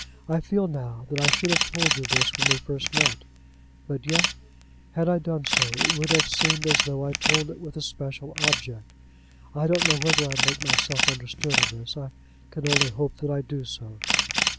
I feel now that I should have told you this when we first met; but yet, had I done so, it would have seemed as though I told it with a special object. I don't know whether I make myself understood in this. I can only hope that I do so.